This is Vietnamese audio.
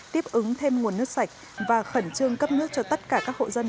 tiếp ứng thêm nguồn nước sạch và khẩn trương cấp nước cho tất cả các hộ dân